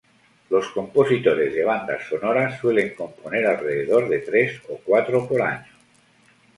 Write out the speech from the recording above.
Los compositores de bandas sonoras suelen componer alrededor de tres o cuatro por año.